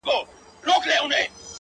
څه وکړمه لاس کي مي هيڅ څه نه وي’